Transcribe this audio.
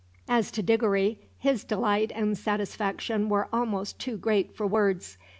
As to Diggory, his delight and satisfaction were almost too great for words.